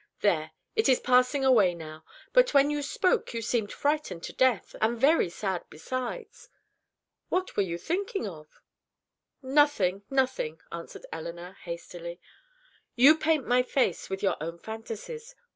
"There: it is passing away now, but when you spoke you seemed frightened to death, and very sad besides. What were you thinking of?" "Nothing, nothing," answered Elinor, hastily. "You paint my face with your own fantasies.